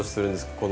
この。